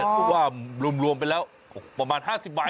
คือว่ารวมไปแล้วประมาณ๕๐ไว้อ่ะ